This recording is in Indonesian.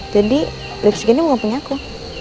jadi lipstick ini mau punya aku